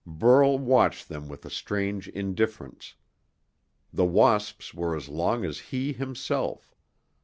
Burl watched them with a strange indifference. The wasps were as long as he himself.